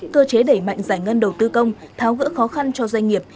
cơ chế đẩy mạnh giải ngân đầu tư công tháo gỡ khó khăn cho doanh nghiệp